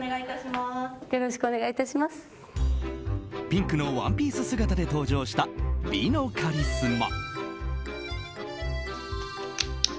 ピンクのワンピース姿で登場した、美のカリスマ。